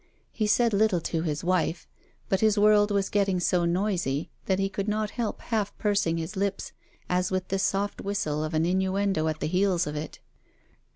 He said little to his wife, but his world was getting so noisy that he could not help half pursing his lips, as with the soft whistle of an innuendo at the heels of it.